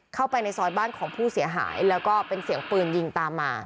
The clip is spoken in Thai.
เข้าไปในซอยบ้านของผู้เสียหายแล้วก็เป็นเสียงปืนยิงตามมา